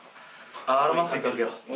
アロマ水かけよう。